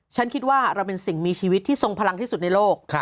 ฉันคิดว่าเราเป็นสิ่งมีชีวิตที่ทรงพลังที่สุดในโลก